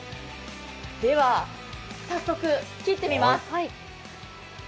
では、早速、切ってみます。